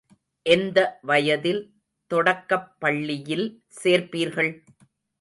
எந்த வயதில் தொடக்கப் பள்ளியில் சேர்ப்பீர்கள்?